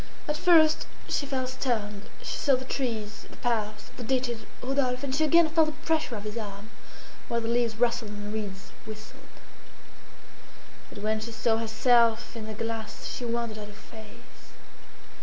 At first she felt stunned; she saw the trees, the paths, the ditches, Rodolphe, and she again felt the pressure of his arm, while the leaves rustled and the reeds whistled. But when she saw herself in the glass she wondered at her face.